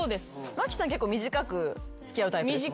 麻貴さん結構短く付き合うタイプですもんね。